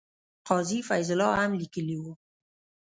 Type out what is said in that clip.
قاضي فیض الله هم لیکلي وو.